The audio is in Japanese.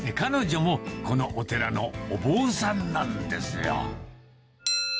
彼女もこのお寺のお坊さんなんですよ。